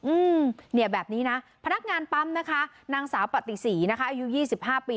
อืมแบบนี้นะพนักงานปั๊มนะคะนางสาวปะติศรีนะคะอายุ๒๕ปี